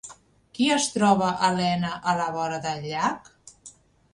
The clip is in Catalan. Qui es troba Elena a la vora del llac?